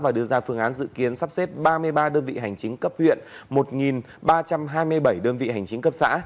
và đưa ra phương án dự kiến sắp xếp ba mươi ba đơn vị hành chính cấp huyện một ba trăm hai mươi bảy đơn vị hành chính cấp xã